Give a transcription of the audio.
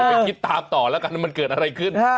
ไปคิดตามต่อแล้วกันว่ามันเกิดอะไรขึ้น